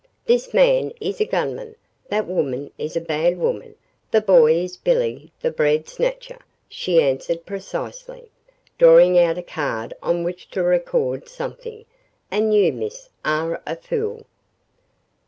"This man is a gunman, that woman is a bad woman, the boy is Billy the Bread Snatcher," she answered precisely, drawing out a card on which to record something, "and you, Miss, are a fool!"